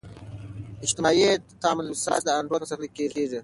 اجتماعي تعاملثبات د انډول په ساتلو کې کیږي.